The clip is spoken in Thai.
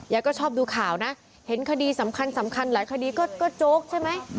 ก็ชอบดูข่าวนะเห็นคดีสำคัญสำคัญหลายคดีก็โจ๊กใช่ไหม